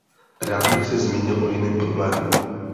Rád bych se zmínil o jiném problému.